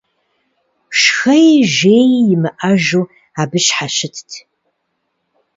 Шхэи жеи имыӀэжу абы щхьэщытт.